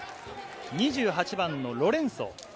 ２８番のロレンソ。